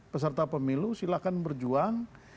peserta pemilu silahkan berjuang